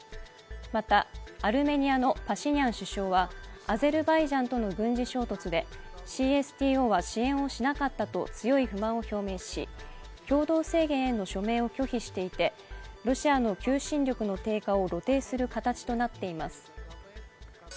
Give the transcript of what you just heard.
またアルメニアのパシニャン首相は、アゼルバイジャンとの軍事衝突で、ＣＳＴＯは支援をしなかったと強い不満を表明し、共同宣言への署名を拒否していて、ロシアの求心力の低下を露呈する形となっています。